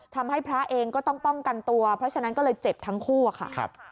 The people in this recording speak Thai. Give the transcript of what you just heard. พระเองก็ต้องป้องกันตัวเพราะฉะนั้นก็เลยเจ็บทั้งคู่อะค่ะ